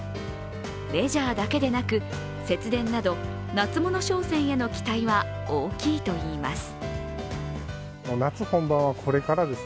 レジャーだけでなく節電など夏物商戦への期待は大きいといいます。